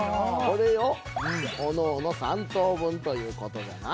これを各々３等分ということじゃな。